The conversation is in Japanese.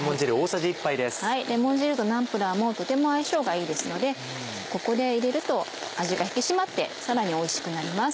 レモン汁とナンプラーもとても相性がいいですのでここで入れると味が引き締まってさらにおいしくなります。